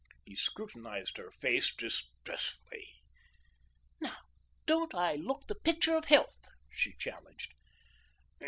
He scrutinised her face distressfully. "Now, don't I look the picture of health?" she challenged.